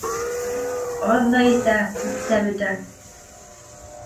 Аҙ ҙа етә, күп тә бөтә.